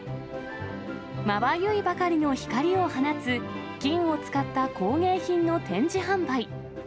まばゆいばかりの光を放つ、金を使った工芸品の展示販売。